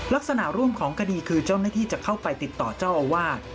ลักษณะร่วมของคดีคือเจ้าหน้าที่จะเข้าไปติดต่อเจ้าอาวาส